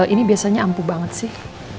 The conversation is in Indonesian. ini biasanya ampuh banget sih